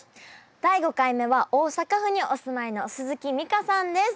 第５回目は大阪府にお住まいの鈴木美香さんです。